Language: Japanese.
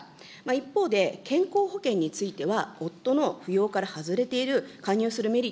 一方で、健康保険については夫の扶養から外れている加入するメリ